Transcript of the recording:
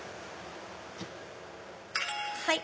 はい。